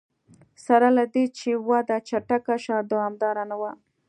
سره له دې چې وده چټکه شوه دوامداره نه وه.